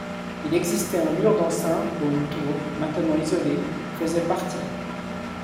Il existait un mur d'enceinte dont une tour, maintenant isolée, faisait partie.